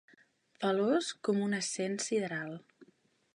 Veloç com un ascens sideral.